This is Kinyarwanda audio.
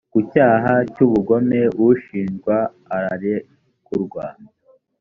ku cyaha cy ubugome ushinjwa ararekurwa